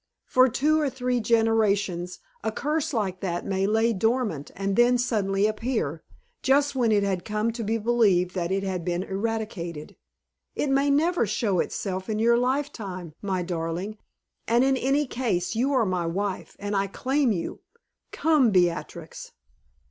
For two or three generations a curse like that may lie dormant and then suddenly appear, just when it had come to be believed that it had been eradicated. It may never show itself in your life time, my darling, and in any case you are my wife, and I claim you. Come, Beatrix!"